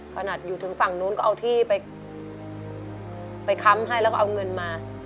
ขนาดอยู่ถึงฝั่งนู้นก็เอาที่ไปค้ำให้แล้วก็เอาเงินมา